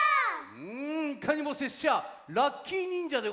うんいかにもせっしゃラッキィにんじゃでござる。